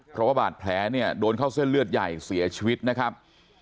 เพราะว่าบาดแผลเนี่ยโดนเข้าเส้นเลือดใหญ่เสียชีวิตนะครับ